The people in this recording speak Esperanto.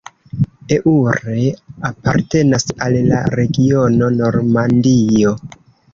Eure apartenas al la regiono Normandio.